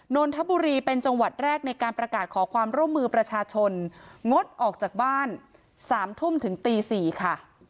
นนทบุรีเป็นจังหวัดแรกในการประกาศขอความร่วมมือประชาชนงดออกจากบ้าน๓ทุ่มถึงตี๔ค่ะ